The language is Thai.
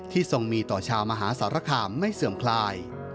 ทรงมีต่อชาวมหาสารคามไม่เสื่อมคลาย